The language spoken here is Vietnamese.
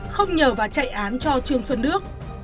không nhờ và chạy án cho trương xuân đức